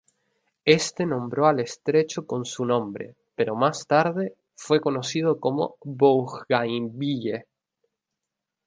Éste nombró al estrecho con su nombre, pero más tarde fue conocido como Bougainville.